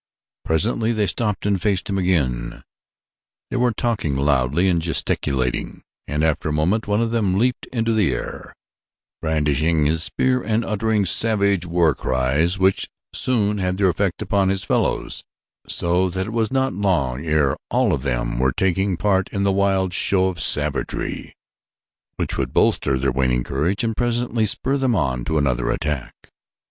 Presently they stopped and faced him again. They were talking loudly and gesticulating, and after a moment one of them leaped into the air, brandishing his spear and uttering savage war cries, which soon had their effect upon his fellows so that it was not long ere all of them were taking part in the wild show of savagery, which would bolster their waning courage and presently spur them on to another attack.